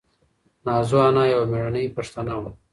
نازو انا یوه مېړنۍ پښتنه وه.